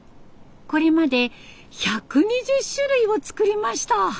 これまで１２０種類を作りました。